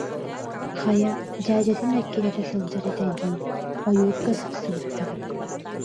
Хайа, дьээдьэтин эккирэтэ сылдьар этэ дии, ойуурга сырсыбыттара